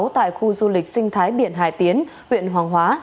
tại khu du lịch sinh thái biển hải tiến huyện hoàng hóa